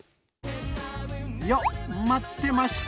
よっ待ってました。